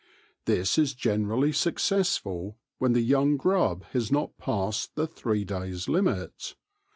This is generally successful when the young grub has not passed the three days' limit.